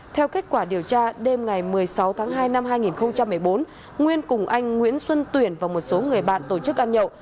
theo kết quả điều tra đêm ngày một mươi sáu tháng hai năm hai nghìn một mươi bốn nguyên cùng anh nguyễn xuân tuyển và một số người bạn tổ chức ăn nhậu